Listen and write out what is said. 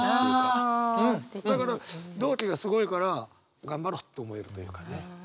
だから同期がすごいから頑張ろうって思えるというかね。